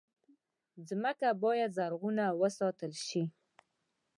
مځکه باید زرغونه وساتل شي.